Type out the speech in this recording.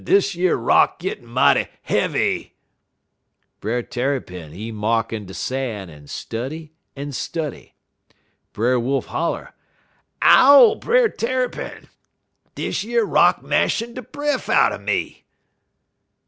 Dish yer rock gittin' mighty heavy!' "Brer Tarrypin, he mark in de san', en study, en study. Brer Wolf holler: "'Ow, Brer Tarrypin! Dish yer rock mashin' de breff out'n me.'